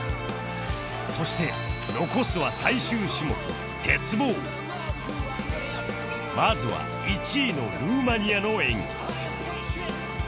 そして残すはまずは１位のルーマニアの演技